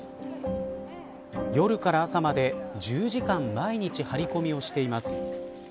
夜から朝まで１０時間毎日張り込みをしています。